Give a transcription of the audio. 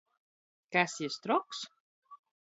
Kas jis — troks?!